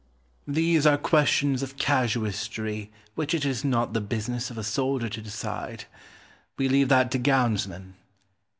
Cortez. These are questions of casuistry which it is not the business of a soldier to decide. We leave that to gownsmen.